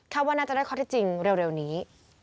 ว่าน่าจะได้ข้อที่จริงเร็วนี้